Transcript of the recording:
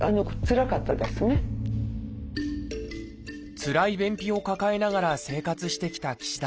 つらい便秘を抱えながら生活してきた岸田さん。